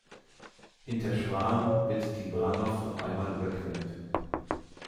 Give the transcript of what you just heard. Hinter Schwaan wird die Warnow noch einmal überquert.